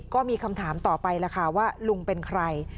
ก็มีคำถามต่อไปล่ะค่ะว่าลุงเป็นใคร